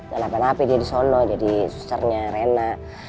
gak napa napa dia di sono jadi susternya reyna